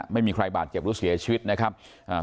ไม่มีใครบาดเจ็บหรือเสียชีวิตนะครับอ่า